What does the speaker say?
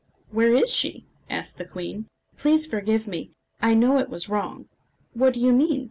"Where is she?" asked the queen. "Please forgive me. I know it was wrong." "What do you mean?"